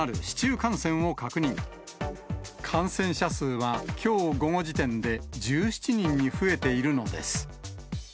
感染者数は、きょう午後時点で１７人に増えているのです。